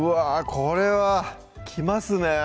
これはきますね